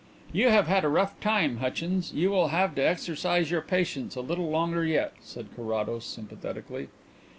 "You have had a rough time, Hutchins; you will have to exercise your patience a little longer yet," said Carrados sympathetically.